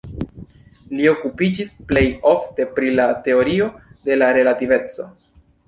Li okupiĝis plej ofte pri la teorio de la relativeco.